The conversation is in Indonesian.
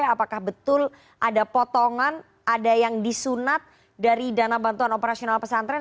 apakah betul ada potongan ada yang disunat dari dana bantuan operasional pesantren